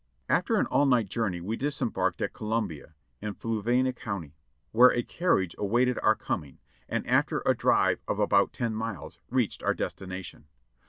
After an all night journey we disembarked at Columbia, in Fluvanna County, where a carriage awaited our coming, and after a drive of about ten miles, reached our destination.